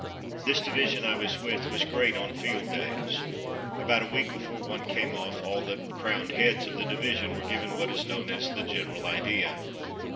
This division I was with was great on field days. About a week before one came off, all the "crowned heads'" of the division were given what is known as the "general idea.'